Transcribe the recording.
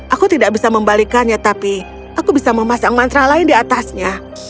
aku tidak bisa membalikannya tapi aku bisa memasang mantra lain di atasnya